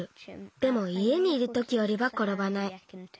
でもいえにいるときよりはころばない。